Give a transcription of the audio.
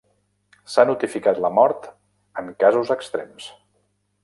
S’ha notificat la mort en casos extrems.